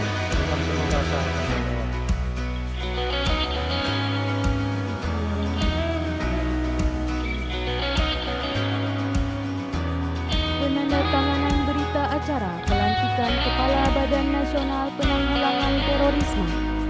dengan pertanggung jawab berita acara melantikan kepala badan nasional penolangan terorisme